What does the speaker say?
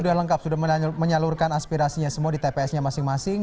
sudah lengkap sudah menyalurkan aspirasinya semua di tps nya masing masing